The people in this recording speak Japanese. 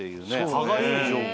歯がゆい状況。